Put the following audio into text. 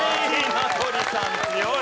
名取さん強い。